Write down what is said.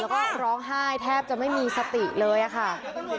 แล้วก็ร้องไห้แทบจะไม่มีสติเลยอะค่ะ